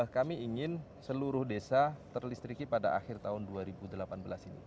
kami ingin seluruh desa terlistriki pada akhir tahun dua ribu delapan belas ini